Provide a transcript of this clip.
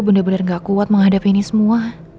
bener bener gak kuat menghadapi ini semua